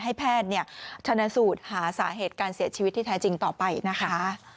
ให้แพทย์ชนสูตรหาสาเหตุการเสียชีวิตที่แท้จริงต่อไปนะคะ